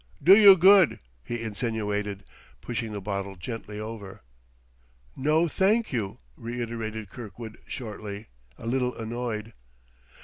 "Do you good," he insinuated, pushing the bottle gently over. "No, thank you," reiterated Kirkwood shortly, a little annoyed.